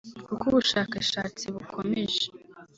kuko ubushakashatsi bukomeje